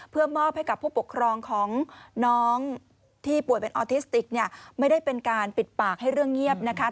เพื่อมอบให้กับผู้ปกครองของน้องที่ป่วยเป็นออทิสติกเนี่ยไม่ได้เป็นการปิดปากให้เรื่องเงียบนะคะ